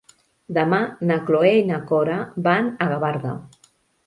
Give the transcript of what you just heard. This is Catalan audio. Demà na Cloè i na Cora van a Gavarda.